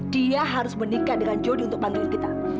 dia harus menikah dengan jodi untuk bantuin kita